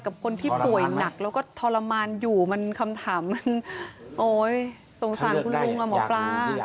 กับคนที่ป่วยหนักแล้วก็ทรมานอยู่มันคำถามมันโอ๊ยสงสารคุณลุงอ่ะหมอปลา